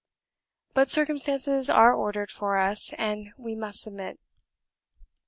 But circumstances are ordered for us, and we must submit."